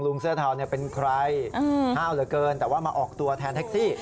เสื้อเทาเป็นใครห้าวเหลือเกินแต่ว่ามาออกตัวแทนแท็กซี่